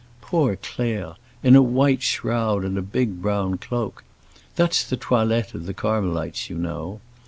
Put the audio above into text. Poor Claire—in a white shroud and a big brown cloak! That's the toilette of the Carmelites, you know.